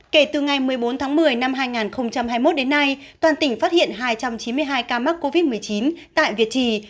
kể từ ngày một mươi bốn tháng một mươi năm hai nghìn hai mươi một đến nay toàn tỉnh phát hiện hai trăm chín mươi hai ca mắc covid một mươi chín tại việt trì